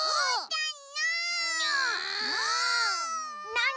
なに？